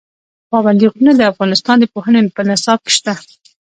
پابندي غرونه د افغانستان د پوهنې په نصاب کې شته.